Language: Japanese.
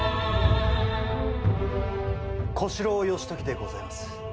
小四郎義時でございます。